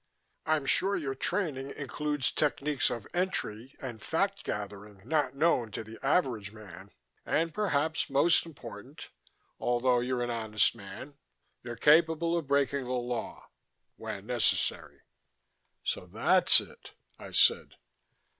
I'm sure your training includes techniques of entry and fact gathering not known to the average man; and perhaps most important, although you're an honest man, you're capable of breaking the law when necessary." "So that's it," I said.